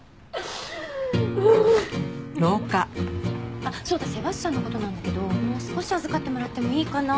あっそうだセバスチャンの事なんだけどもう少し預かってもらってもいいかな？